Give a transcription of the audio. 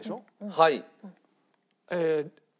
はい。